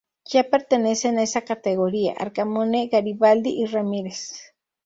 Ya pertenecen a esa categoría: Arca-mone, Garibaldi y Ramírez.